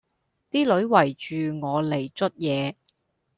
啲女圍住我嚟捽嘢